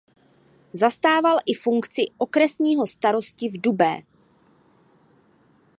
Zastával i funkci okresního starosty v Dubé.